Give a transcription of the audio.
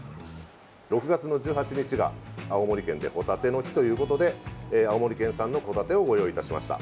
６月の１８日が青森県でホタテの日ということで青森県産のホタテをご用意いたしました。